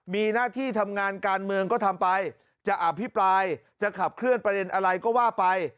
มีหน้าที่ทำงานการเมืองก็ทำไปจะอภิปรายจะขับเคลื่อนประเด็นอะไรก็ว่าไป